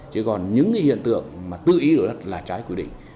chỉ còn những hiện tượng tự ý đổ đất là trái quy định